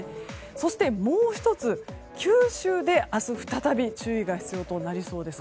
そして、もう１つ九州で明日再び注意が必要になりそうです。